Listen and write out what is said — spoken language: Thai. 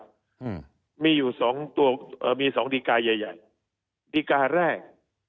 อืมมีอยู่สองตัวเอ่อมีสองดีการ์ใหญ่ใหญ่ดีการแรก